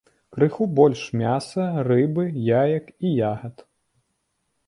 Крыху больш мяса, рыбы, яек і ягад.